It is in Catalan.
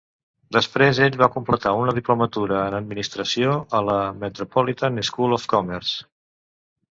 Després ell va completar una diplomatura en Administració a la Metropolitan School of Commerce.